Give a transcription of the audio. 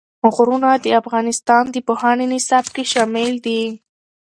غرونه د افغانستان د پوهنې نصاب کې شامل دي.